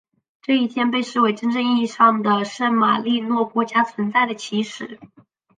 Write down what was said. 这一天被视为真正意义上的圣马力诺国家存在的起始。